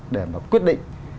để mà quyết định